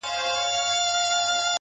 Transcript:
• له کوم زکاته به موږ خېټه د مُلا ډکوو -